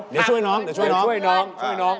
เดี๋ยวช่วยน้อง